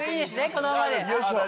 このままで。